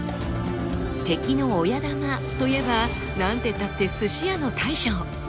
敵の親玉といえば何てったって鮨屋の大将。